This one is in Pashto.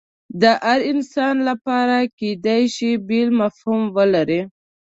د هر انسان لپاره کیدای شي بیل مفهوم ولري